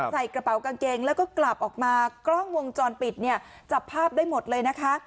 ใส่กระเป๋ากางเกงแล้วก็กลับออกมากล้องวงจรปิดเนี่ยจับภาพได้หมดเลยนะคะ